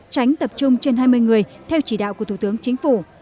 tránh tập trung trên hai mươi người theo chỉ đạo của thủ tướng chính phủ